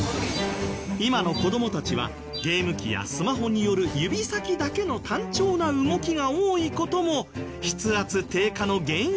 今の子どもたちはゲーム機やスマホによる指先だけの単調な動きが多い事も筆圧低下の原因なんだそう。